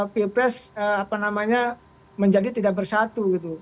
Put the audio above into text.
pilpres menjadi tidak bersatu